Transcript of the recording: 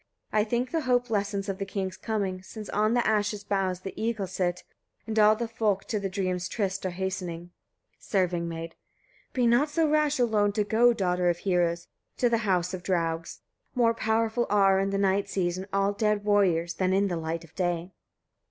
I think the hope lessens of the king's coming, since on the ash's boughs the eagles sit, and all the folk to the dreams' tryst are hastening. Serving maid. 49. Be not so rash alone to go, daughter of heroes! to the house of draugs: more powerful are, in the night season, all dead warriors, than in the light of day.